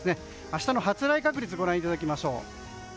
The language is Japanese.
明日の発雷確率をご覧いただきましょう。